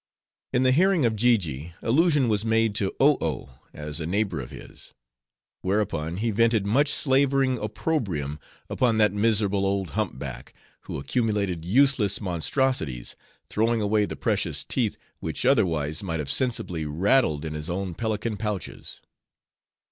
In the hearing of Jiji, allusion was made to Oh Oh, as a neighbor of his. Whereupon he vented much slavering opprobrium upon that miserable old hump back; who accumulated useless monstrosities; throwing away the precious teeth, which otherwise might have sensibly rattled in his own pelican pouches.